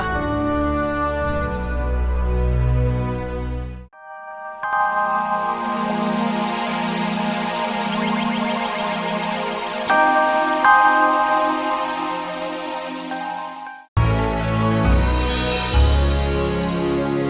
his b artist adalah orang